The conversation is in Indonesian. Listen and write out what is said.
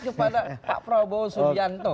kepada pak prabowo subianto